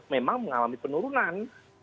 memang mengalami penurunan